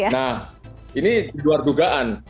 nah ini di luar dugaan